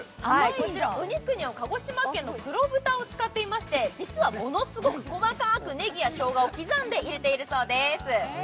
こちらお肉には鹿児島の黒豚を使っていまして実はものすごく細かくねぎやしょうがを刻んで入れているそうです。